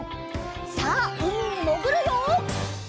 さあうみにもぐるよ！